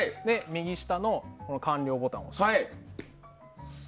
右下の完了ボタンを押します。